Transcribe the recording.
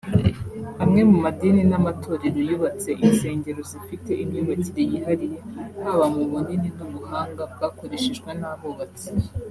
Amwe mu madini n’amatorero yubatse insengero zifite imyubakire yihariye haba mu bunini n’ubuhanga bwakoreshejwe n’abubatsi